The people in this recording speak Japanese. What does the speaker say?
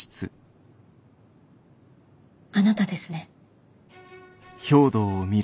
あなたですね？